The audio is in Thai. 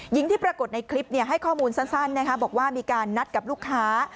ที่ปรากฏในคลิปให้ข้อมูลสั้นบอกว่ามีการนัดกับลูกค้า